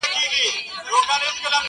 خدايه سندرو کي مي ژوند ونغاړه،